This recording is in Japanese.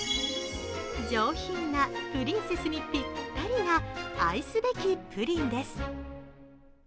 上品なプリンセスにぴったりな愛すべきプリンです。